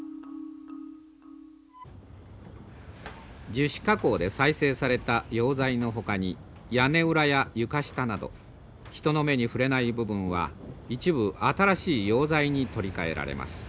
樹脂加工で再生された用材のほかに屋根裏や床下など人の目に触れない部分は一部新しい用材に取り替えられます。